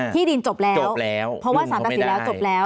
ที่ดินจบแล้วเพราะว่า๓ปัจจุแล้วจบแล้ว